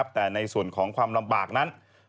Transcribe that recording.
แต่ในส่วนของความลำบากนั้น